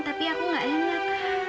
tapi aku nggak enak